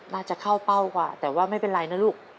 น่าจะเข้าเป้ากว่าแต่ว่าไม่เป็นไรนะลูก